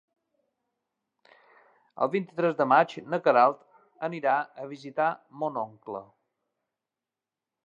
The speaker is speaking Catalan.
El vint-i-tres de maig na Queralt anirà a visitar mon oncle.